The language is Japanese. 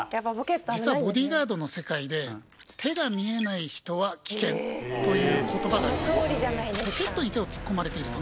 実はボディーガードの世界で「手が見えない人は危険」という言葉があります